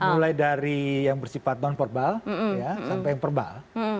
mulai dari yang bersifat non perbal sampai yang perbal